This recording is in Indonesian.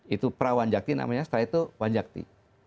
itu prawanjakti namanya setelah itu wanjakti